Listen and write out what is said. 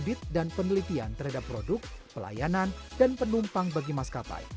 audit dan penelitian terhadap produk pelayanan dan penumpang bagi maskapai